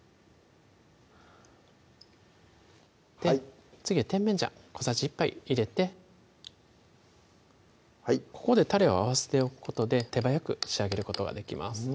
はい次は甜麺醤小さじ１杯入れてここでたれを合わせておくことで手早く仕上げることができます